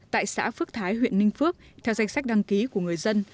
tại xã phước thái huyện ninh phước theo danh sách đăng ký của người dân